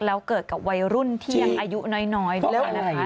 แล้วเกิดกับวัยรุ่นที่ยังอายุน้อยด้วยนะคะ